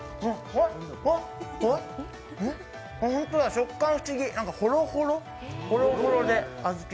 食感不思議、ほろほろで。